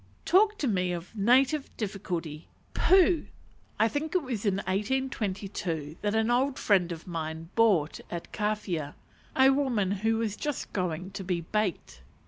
Talk to me of the "native difficulty" pooh! I think it was in 1822 that an old friend of mine bought, at Kawhia, a woman who was just going to be baked.